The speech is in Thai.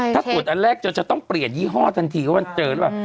ถ้าตรวจอันแรกจนจะต้องเปลี่ยนยี่ห้อทันทีว่ามันเจอหรือเปล่า